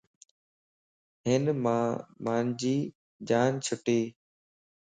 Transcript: ھن مان مانجي جان چھٽي